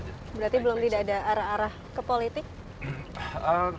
berarti belum tidak ada arah arah ke politik